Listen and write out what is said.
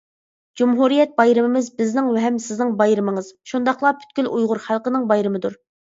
جۇمھۇرىيەت بايرىمىمىز بىزنىڭ ھەم سىزنىڭ بايرىمىڭىز، شۇنداقلا پۈتكۈل ئۇيغۇر خەلقىنىڭ بايرىمىدۇر.